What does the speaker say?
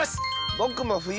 ぼくもふゆ。